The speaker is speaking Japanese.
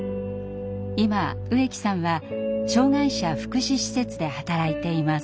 今植木さんは障害者福祉施設で働いています。